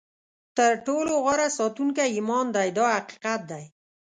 تر ټولو غوره ساتونکی ایمان دی دا حقیقت دی.